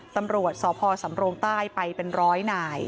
ตำรวจสพสำโรงใต้ไปเป็นร้อยนาย